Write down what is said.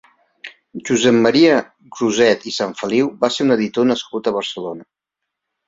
Josep Maria Cruzet i Sanfeliu va ser un editor nascut a Barcelona.